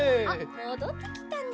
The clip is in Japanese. もどってきたね。